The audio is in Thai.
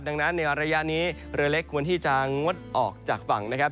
ดังนั้นในระยะนี้เรือเล็กควรที่จะงดออกจากฝั่งนะครับ